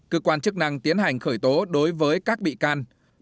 cơ quan chức năng tiến hành khởi tố đối với các bị can